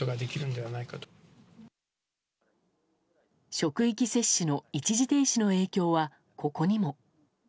職域接種の一時停止の影響はここにも。